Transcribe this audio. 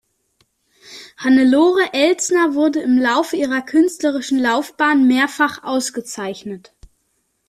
Hannelore Elsner wurde im Laufe ihrer künstlerischen Laufbahn mehrfach ausgezeichnet.